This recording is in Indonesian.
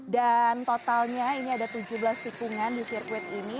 dan totalnya ini ada tujuh belas tikungan di sirkuit ini